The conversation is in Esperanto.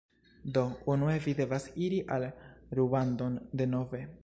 Do unue vi devas iri al rubandon denove